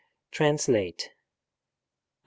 TRANSLATE 1.